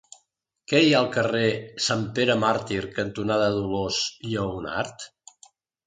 Què hi ha al carrer Sant Pere Màrtir cantonada Dolors Lleonart?